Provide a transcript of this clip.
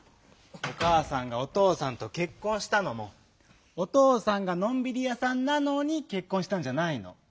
おかあさんがおとうさんとけっこんしたのもおとうさんが「のんびりやさんなのにけっこんした」んじゃないの。